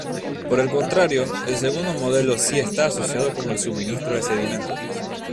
Por el contrario, el segundo modelo sí está asociado con el suministro de sedimentos.